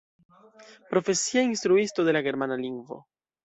Profesie instruisto de la germana lingvo.